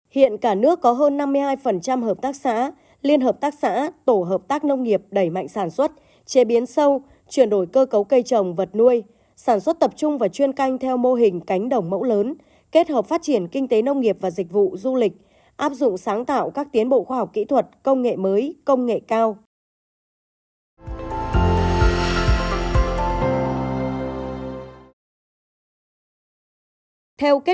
hiện cả nước có hơn năm mươi hai hợp tác xã liên hợp tác xã tổ hợp tác nông nghiệp đẩy mạnh sản xuất chế biến sâu chuyển đổi cơ cấu cây trồng vật nuôi sản xuất tập trung và chuyên canh theo mô hình cánh đồng mẫu lớn kết hợp phát triển kinh tế nông nghiệp và dịch vụ du lịch áp dụng sáng tạo các tiến bộ khoa học kỹ thuật công nghệ mới công nghệ cao